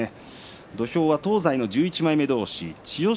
土俵は東西の１１枚目同士千代翔